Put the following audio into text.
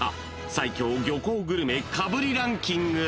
最強漁港グルメかぶりランキング］